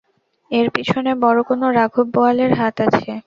এর পিছনে বড় কোনো রাঘব বোয়ালের হাত আছে।